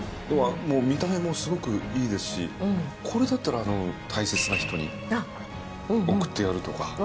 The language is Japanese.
見た目もすごくいいですしこれだったら大切な人に贈ってやるとか。